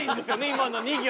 今の２行。